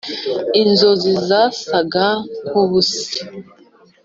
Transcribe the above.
inzozi zasaga nkubusa,